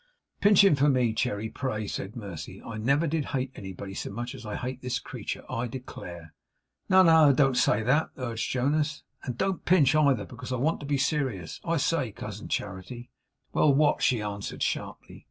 'Pinch him for me, Cherry, pray,' said Mercy. 'I never did hate anybody so much as I hate this creature, I declare!' 'No, no, don't say that,' urged Jonas, 'and don't pinch either, because I want to be serious. I say Cousin Charity ' 'Well! what?' she answered sharply.